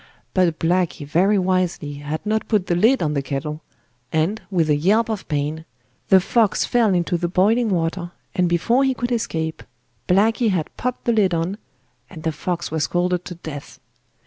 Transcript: But Blacky very wisely had not put the lid on the kettle, and, with a yelp of pain, the fox fell into the boiling water, and before he could escape, Blacky had popped the lid on, and the fox was scalded to death.